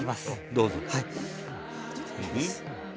どうぞ。